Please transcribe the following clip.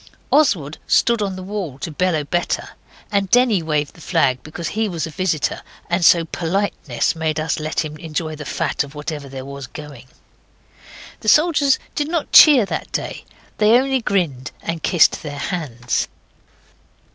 Oswald stood on the wall to bellow better, and Denny waved the flag because he was a visitor, and so politeness made us let him enjoy the fat of whatever there was going. The soldiers did not cheer that day; they only grinned and kissed their hands.